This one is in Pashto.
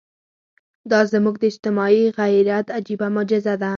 دا زموږ د اجتماعي غیرت عجیبه معجزه ده.